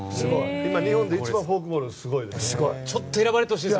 今、日本で一番フォークボールがすごいです。